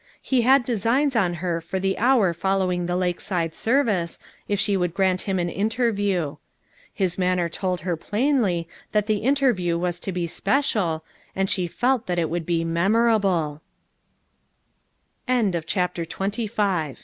He had designs on her for the hour following the lakeside service, if she would grant him an interview. His manner told her plainly that the interview was to he special, and she felt that it would he memo